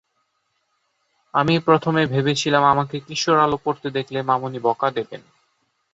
আমি প্রথমে ভেবেছিলাম, আমাকে কিশোর আলো পড়তে দেখলে মামণি বকা দেবেন।